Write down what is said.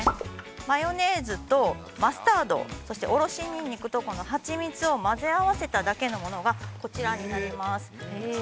マヨネーズとマスタードそしておろしニンニクと蜂蜜を混ぜ合わせただけのものがこちらになります。